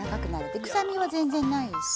でくさみは全然ないし。